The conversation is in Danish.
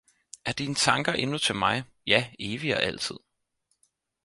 Er dine tanker endnu til mig? - Ja evig og altid!